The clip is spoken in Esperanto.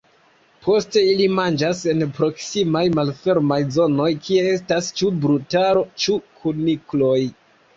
Poste ili manĝas en proksimaj malfermaj zonoj kie estas ĉu brutaro ĉu kunikloj.